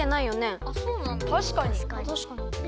たしかに。